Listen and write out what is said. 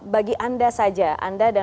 bagi anda saja anda